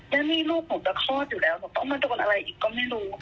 แล้วนี่ลูกหนูจะคลอดอยู่แล้วหนูต้องมาโดนอะไรอีกก็ไม่รู้